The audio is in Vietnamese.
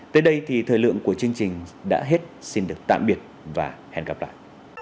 tới đây thì thời lượng của chương trình đã hết xin được tạm biệt và hẹn gặp lại